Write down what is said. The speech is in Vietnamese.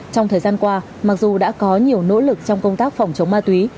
trong thời gian qua mặc dù đã có nhiều nỗ lực trong công tác phòng chống ma túy